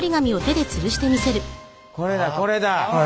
これだこれだ。